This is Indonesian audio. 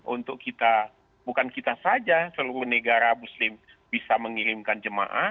untuk kita bukan kita saja seluruh negara muslim bisa mengirimkan jemaah